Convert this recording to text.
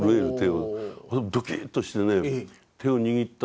ドキッとしてね手を握った時にね